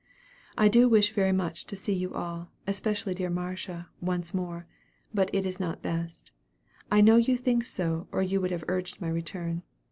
"I do wish very much to see you all, especially dear Marcia, once more; but it is not best. I know you think so, or you would have urged my return.